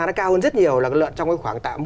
nó cao hơn rất nhiều là con lợn trong khoảng tạ một